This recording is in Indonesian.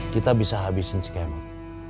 kita bisa habisin si kemot